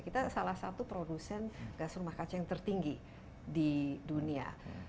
kita salah satu produsen gas rumah kaca yang tertinggi di dunia